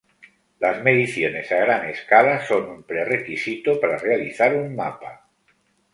Las mediciones a gran escala son un prerrequisito para realizar un mapa.